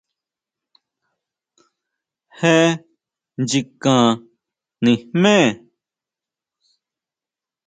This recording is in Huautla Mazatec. Jé nchikan nijme.